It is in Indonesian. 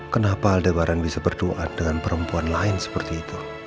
kenapa lebaran bisa berdoa dengan perempuan lain seperti itu